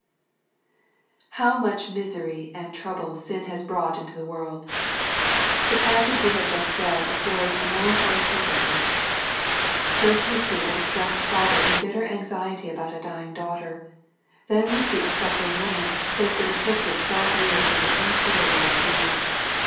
How much misery and trouble Bin has brought into the world 1 The passage we have just read affords a mel ancholy proof of this. First we see a distressed father in bitter anxiety about a dying daughter. Then we see a suffering woman^ who has been afliicted twelve years with an incurable disease.